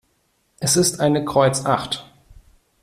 Es ist eine Kreuz acht.